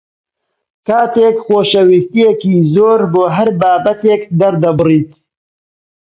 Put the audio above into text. کاتێک خۆشەویستییەکی زۆر بۆ هەر بابەتێک دەردەبڕیت